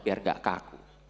biar gak kaku